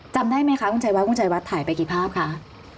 จำได้ไหมคะคุณชัยวัดคุณชัยวัดถ่ายไปกี่ภาพคะ